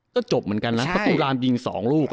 ก็จบเหมือนกันนะเพราะตุลามยิงสองรูป